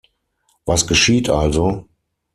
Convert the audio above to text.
Was geschieht also?